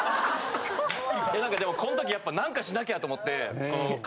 何かでもこん時やっぱ何かしなきゃと思って。